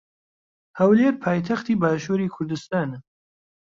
ھەولێر پایتەختی باشووری کوردستانە.